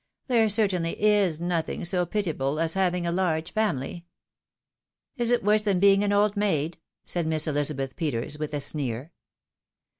There certainly is nothing so pitiable as having a large family I "" Is it worse than being an old maid? " said Miss Ehza beth Peters, 'with a sneer.